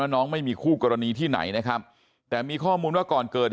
น้องไม่มีคู่กรณีที่ไหนนะครับแต่มีข้อมูลว่าก่อนเกิดเหตุ